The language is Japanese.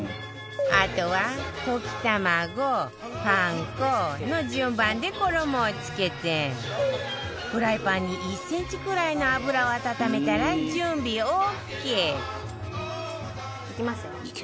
あとは溶き卵パン粉の順番で衣を付けてフライパンに１センチくらいの油を温めたら準備オーケーいきますよ。